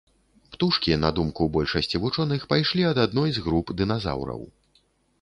Птушкі, на думку большасці вучоных, пайшлі ад адной з груп дыназаўраў.